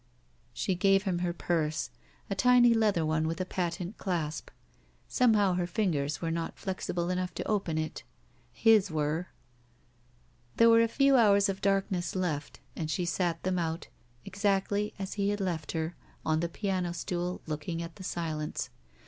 She gave him her purse, a tiny leather one with a patent clasp. Somehow her fingers were not flexible enough to open it. His were. 176 THE SMUDGE There were a few hours of darkness left, and she sat them out, exactly as he had left her, on the piano stool, looking at the silence.